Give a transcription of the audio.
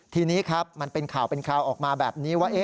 ทีนี้ครับมันเป็นข่าวเป็นคราวออกมาแบบนี้ว่า